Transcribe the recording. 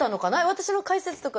私の解説とか。